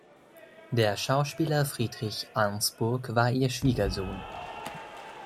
Der Schauspieler Friedrich Arnsburg war ihr Schwiegersohn.